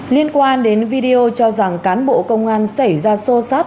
liên quan đến video cho rằng cán bộ công an xảy ra sâu sắc